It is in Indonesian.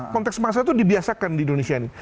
konteks masa itu dibiasakan di indonesia ini